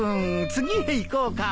次へ行こうか。